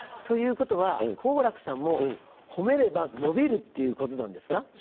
ということは好楽さんも褒めれば伸びるっていうことなんですか？